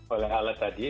oleh alat tadi